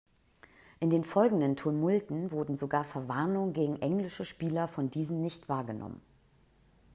In den folgenden Tumulten wurden sogar Verwarnungen gegen englische Spieler von diesen nicht wahrgenommen.